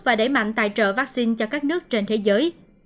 và đẩy mạnh tài trợ vaccine cho các nước trên thế giới